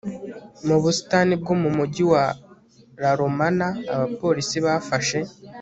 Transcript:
mu busitani bwo mu mugi wa La Romana abapolisi bafashe